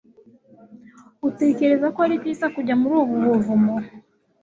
utekereza ko ari byiza kujya muri ubu buvumo